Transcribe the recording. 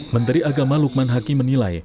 menteri agama lukman hakim menilai